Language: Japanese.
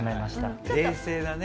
冷静だね。